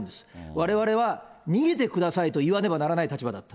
われわれは逃げてくださいと言わねばならない立場だった。